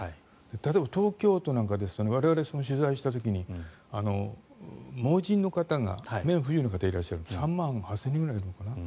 例えば東京都ですと我々取材した時に盲人の方が目の不自由な方が３万８０００人ぐらいるのかな。